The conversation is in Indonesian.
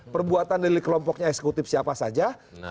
perbuatan dari kelompoknya eksekutif siapa saja